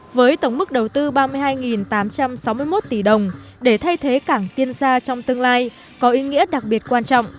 với tổng mức đầu tư ba mươi hai tám trăm sáu mươi một tỷ đồng để thay thế cảng tiên sa trong tương lai có ý nghĩa đặc biệt quan trọng